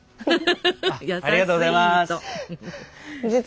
ありがとうございます。